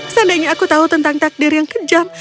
seandainya aku tahu tentang takdir yang kejam